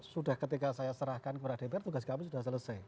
sudah ketika saya serahkan kepada dpr tugas kami sudah selesai